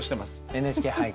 「ＮＨＫ俳句」。